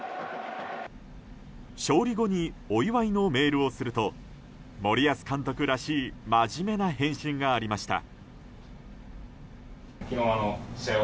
勝利後にお祝いのメールをすると森保監督らしい真面目な返信がありました。